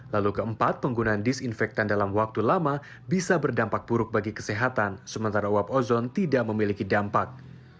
lalu keempat penggunaan disinfektan dalam waktu lama bisa berdampak buruk bagi kesehatan sementara uap ozon tidak memiliki dampak